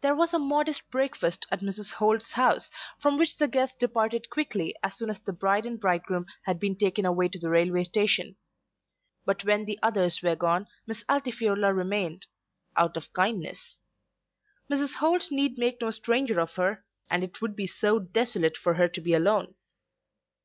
There was a modest breakfast at Mrs. Holt's house, from which the guests departed quickly as soon as the bride and bridegroom had been taken away to the railway station. But when the others were gone Miss Altifiorla remained, out of kindness. Mrs. Holt need make no stranger of her, and it would be so desolate for her to be alone.